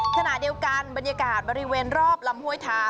ขณะเดียวกันบรรยากาศบริเวณรอบลำห้วยทา